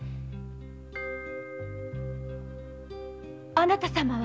あなた様は！